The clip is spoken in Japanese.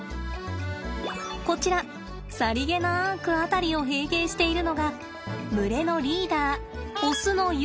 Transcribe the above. こちらさりげなく辺りを睥睨しているのが群れのリーダーオスのユウです。